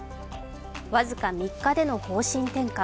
僅か３日での方針転換。